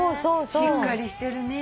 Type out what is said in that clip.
しっかりしてるね。